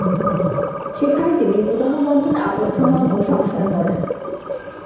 সেখানে তিনি বিবাহবন্ধনে আবদ্ধ হন ও সংসার গড়েন।